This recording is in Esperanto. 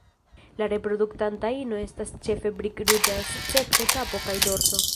La reproduktanta ino estas ĉefe brik-ruĝa escepte kapo kaj dorso.